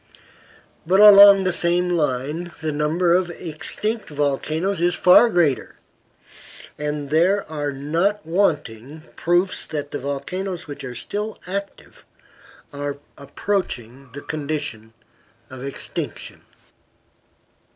But along the same line the number of extinct volcanoes is far greater, and there are not wanting proofs that the volcanoes which are still active are approaching the condition of extinction.